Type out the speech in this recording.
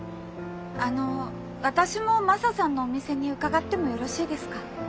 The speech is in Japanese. あの私もマサさんのお店に伺ってもよろしいですか？